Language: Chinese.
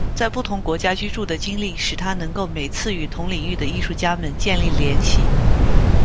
在不同国家居住的经历使他能够每次与同领域的艺术家们建立联系。